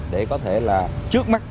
để có thể là trước mắt